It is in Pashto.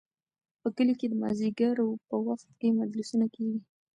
په کلي کې د مازدیګر په وخت کې مجلسونه کیږي.